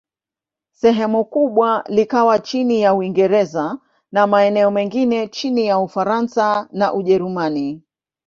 Sehemu kubwa likawa chini ya Uingereza, na maeneo mengine chini ya Ufaransa na Ujerumani.